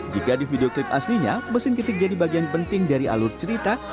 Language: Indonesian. jika di video klip aslinya mesin ketik jadi bagian penting dari alur cerita